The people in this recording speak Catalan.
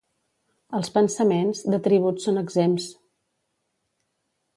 Els pensaments, de tributs són exempts.